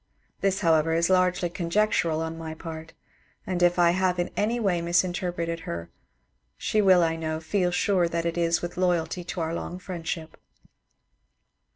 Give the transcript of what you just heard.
This, however, is largely conjectural on my part, and if I have in any way misinterpreted her she will, I know, feel sure that it is with loyalty to our long friendship.